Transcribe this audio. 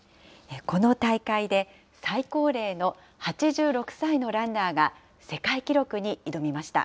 この大会で、最高齢の８６歳のランナーが世界記録に挑みました。